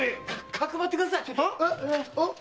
かくまってください。